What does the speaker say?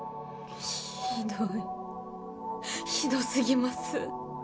⁉ひどいひどすぎます